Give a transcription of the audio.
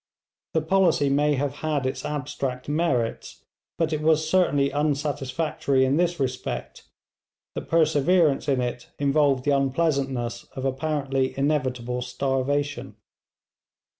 The policy may have had its abstract merits, but it was certainly unsatisfactory in this respect, that perseverance in it involved the unpleasantness of apparently inevitable starvation.